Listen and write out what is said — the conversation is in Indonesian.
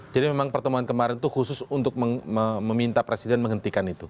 memang pertemuan kemarin itu khusus untuk meminta presiden menghentikan itu